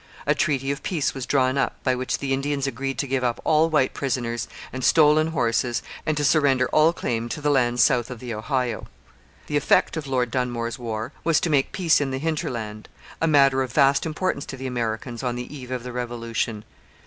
A treaty of peace was drawn up, by which the Indians agreed to give up all white prisoners and stolen horses and to surrender all claim to the land south of the Ohio. The effect of Lord Dunmore's war was to make peace in the hinterland, a matter of vast importance to the Americans on the eve of the Revolution.